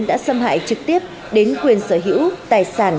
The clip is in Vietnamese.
đã xâm hại trực tiếp đến quyền sở hữu tài sản